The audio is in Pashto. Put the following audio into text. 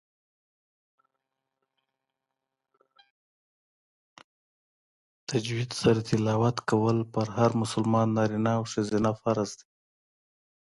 تجوید سره تلاوت کول په هر مسلمان نارینه او ښځینه فرض دی